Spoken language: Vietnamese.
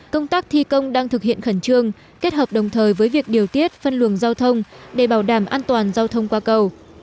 công tác thi công đang thực hiện khẩn trương kết hợp đồng thời với việc điều tiết phân luồng giao thông để bảo đảm an toàn giao thông qua cầu